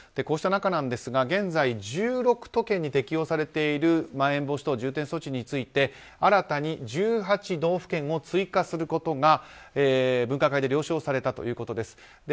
こうした中現在、１６都県に適用されているまん延防止等重点措置について新たに１８道府県を追加することが分科会で了承されたということです。